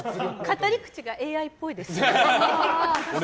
語り口がＡＩっぽいです。